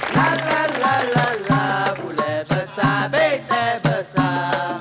ลาลาลาลาลาบุญแบบสาบินแบบสา